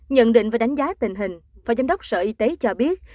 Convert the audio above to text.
nhận định và đánh giá tình hình phó giám đốc sở y tế cho biết